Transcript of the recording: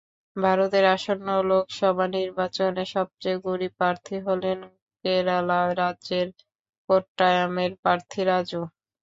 ভারতের আসন্ন লোকসভা নির্বাচনে সবচেয়ে গরিব প্রার্থী হলেন কেরালা রাজ্যের কোট্টায়ামের প্রার্থী রাজু।